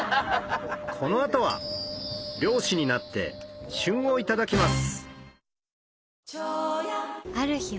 この後は漁師になって旬をいただきます